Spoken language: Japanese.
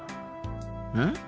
うん？